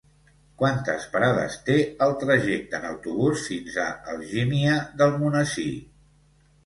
Quantes parades té el trajecte en autobús fins a Algímia d'Almonesir?